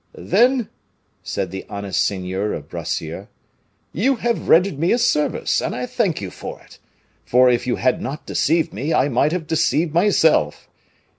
"Then," said the honest seigneur of Bracieux, "you have rendered me a service, and I thank you for it; for if you had not deceived me, I might have deceived myself.